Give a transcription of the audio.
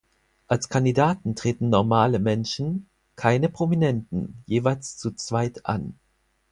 Als Kandidaten treten normale Menschen (keine Prominenten) jeweils zu zweit an.